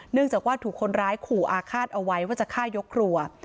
จากว่าถูกคนร้ายขู่อาฆาตเอาไว้ว่าจะฆ่ายกครัว